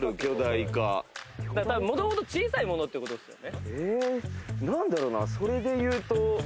もともと小さいものっていうことですよね。